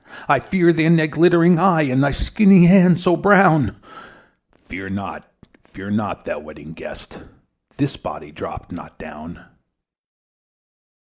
"I fear thee and thy glittering eye, And thy skinny hand, so brown." Fear not, fear not, thou Wedding Guest! This body dropt not down.